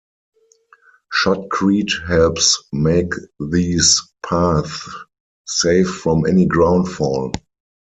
Shotcrete helps make these paths safe from any ground fall.